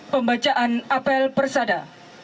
pembacaan apel persada